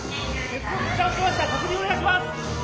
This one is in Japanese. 確認お願いします！